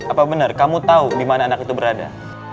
apa bener kamu tau dimana anak itu berada